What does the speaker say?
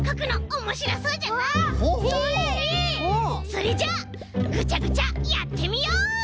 それじゃあぐちゃぐちゃやってみよう！